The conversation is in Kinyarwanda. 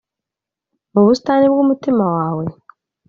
mu busitani bwumutima wawe?